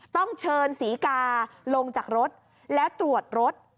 ต้องเชิญศรีกาลงจากรถแล้วตรวจรถ